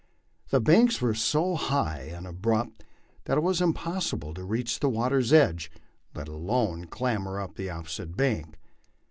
The banks were so high and abrupt that it was impossible to reach the water's edge, let alone clamber up the opposite bank.